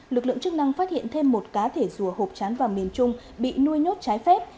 lực lượng chức năng phát hiện thêm một cá thể rùa hộp chán vàng miền trung bị nuôi nhốt trái phép